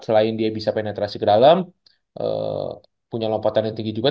selain dia bisa penetrasi ke dalam punya lompatan yang tinggi juga